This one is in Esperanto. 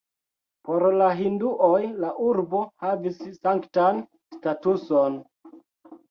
Por la hinduoj la urbo havis sanktan statuson.